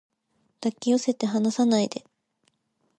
抱き寄せて離さないで